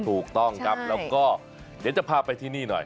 ถูกต้องครับแล้วก็เดี๋ยวจะพาไปที่นี่หน่อย